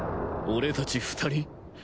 俺たち２人？